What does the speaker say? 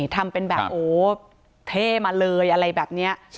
ทำเป็นแบบโอ้เท่มาเลยอะไรแบบนี้